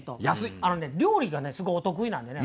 あのね料理がすごいお得意なんでね